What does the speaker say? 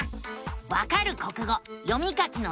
「わかる国語読み書きのツボ」。